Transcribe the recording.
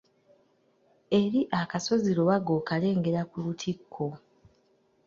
Eri akasozi Lubaga okalengera ku lutikko.